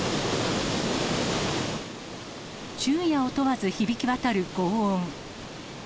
昼夜を問わず響き渡るごう音。